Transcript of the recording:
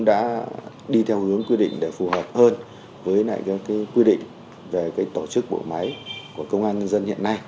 đã đi theo hướng quy định để phù hợp hơn với quy định về tổ chức bộ máy của công an nhân dân hiện nay